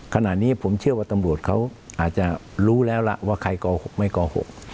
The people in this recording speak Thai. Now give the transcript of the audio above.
ขณะนี้ผมเชื่อว่าตำรวจเขาอาจจะรู้แล้วล่ะว่าใครโกหกไม่โกหก